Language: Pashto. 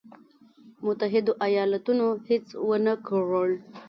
متحدو ایالتونو هېڅ ونه کړل.